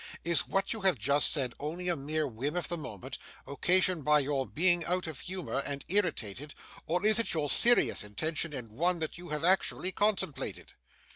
Is what you have just said only a mere whim of the moment, occasioned by your being out of humour and irritated, or is it your serious intention, and one that you have actually contemplated?